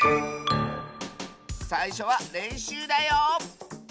さいしょはれんしゅうだよ！